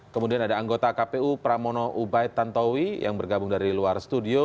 kemudian ada anggota kpu pramono ubaid tantowi yang bergabung dari luar studio